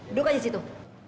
duduk aja di situ